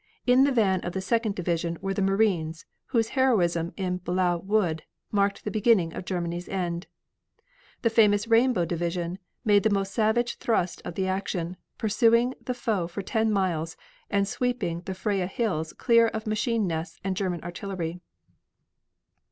In the van of the Second division were the Marines, whose heroism in Belleau Wood marked the beginning of Germany's end. The famous Rainbow division made the most savage thrust of the action, pursuing the foe for ten miles and sweeping the Freya Hills clear of machine nests and German artillery.